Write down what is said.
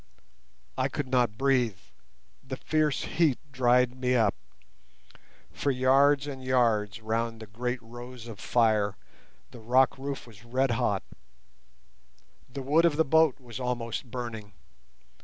I could not breathe; the fierce heat dried me up. For yards and yards round the great rose of fire the rock roof was red hot. The wood of the boat was almost burning.